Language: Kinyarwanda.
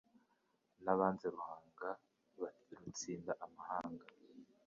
Nabanze Ruhanga rutsinda amahanga,